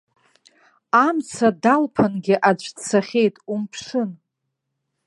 Амца далԥангьы аӡә дцахьеит, умԥшын!